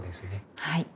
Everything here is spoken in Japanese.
はい。